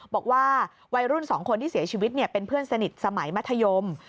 บอกว่าวัยรุ่น๒คนที่เสียชีวิตเป็นเพื่อนสนิทสมัยมัธยม